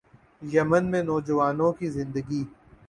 یمن میں نوجوانوں کی زندگی